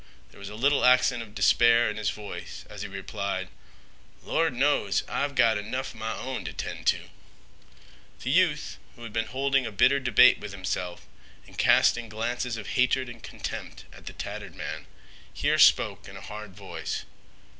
There was a little accent of despair in his voice as he replied, "Lord knows I've gota 'nough m' own t' tend to." The youth, who had been holding a bitter debate with himself and casting glances of hatred and contempt at the tattered man, here spoke in a hard voice.